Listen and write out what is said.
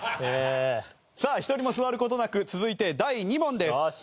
さあ１人も座る事なく続いて第２問です。